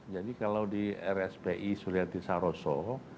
jadi kalau di rspi sulia tisaroso